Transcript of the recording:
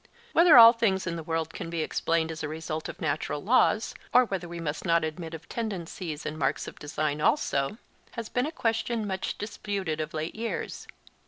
Whether all things in the world can be explained as the result of natural laws, or whether we must not admit of tendencies and marks of design also, has been a question much disputed of late years.